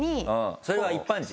それは一般人？